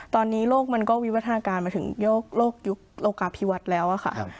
ตอนนี้โลกมันก็วิวัฒนาการมาถึงยุคโลกาพิวัฒน์แล้วค่ะ